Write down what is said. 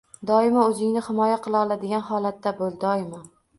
Doimo o‘zingni himoya qila oladigan holatda bo‘l. Doimo.